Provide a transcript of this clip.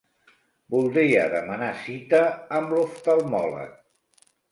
Voldria demanar cita amb l'oftalmòleg.